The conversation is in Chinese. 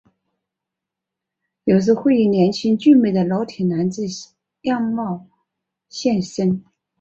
有时会以年轻俊美的裸体男子样貌现身。